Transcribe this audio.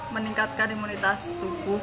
meningkatkan imunitas tubuh